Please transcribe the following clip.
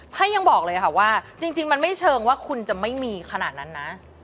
ยังบอกเลยค่ะว่าจริงมันไม่เชิงว่าคุณจะไม่มีขนาดนั้นนะ